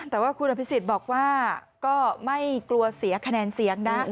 แต่ว่าคุณอภิษฎบอกว่าก็ไม่กลัวเสียคะแนนเสียงนะ